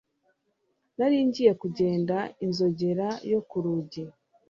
Nari ngiye kugenda inzogera yo ku rugi